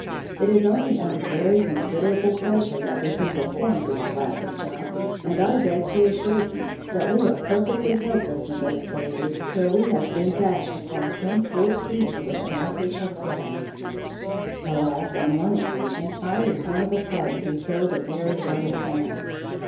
It is only under very considerable pressure that we can perform this class of jump, and I beg to assure you that we are perfectly helpless in those cases where we have been dashed upon some poor creature with a message of death. Alas! on one occasion I was one of a party who killed a very learned man.